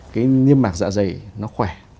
cái niêm mạc dạ dày nó khỏe